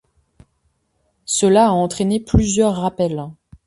Cela a entraîné plusieurs rappels.